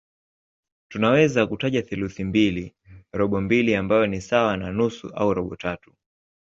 Tunaweza kutaja theluthi mbili, robo mbili ambayo ni sawa na nusu au robo tatu.